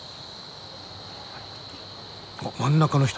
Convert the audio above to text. あっ真ん中の人